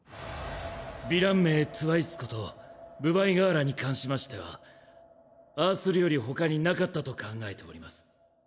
ヴィラン名トゥワイスこと分倍河原に関しましてはああするより他になかったと考えております。